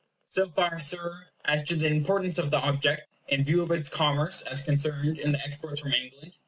So far, Sir, as to the importance of the object, in view of its commerce, as concerned in the exports from England.